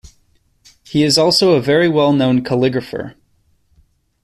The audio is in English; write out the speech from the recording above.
He is also a very well-known calligrapher.